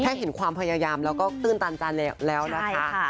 แค่เห็นความพยายามแล้วก็ตื่นตาลจานแล้วนะคะ